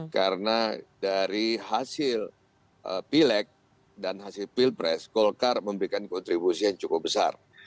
karena dari hasil pileg dan hasil pilpres golkar memberikan kontribusi yang cukup besar